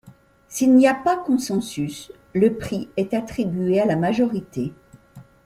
S’il n’y a pas consensus, le prix est attribué à la majorité.